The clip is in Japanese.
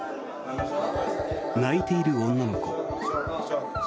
泣いている女の子。